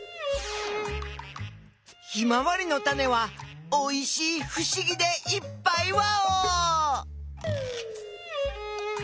ヒマワリのタネはおいしいふしぎでいっぱいワオ！